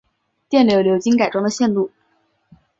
电流流经改装的线路